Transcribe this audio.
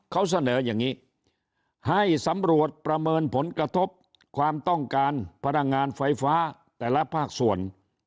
เขาเสนออย่างนี้ให้สำรวจประเมินผลกระทบความต้องการพลังงานไฟฟ้าแต่ละภาคส่วน